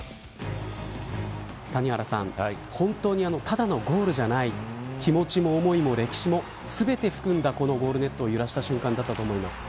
谷原さん、本当にただのゴールじゃない気持ちも思いも歴史もすべて含んだゴールネットを揺らした瞬間だったと思います。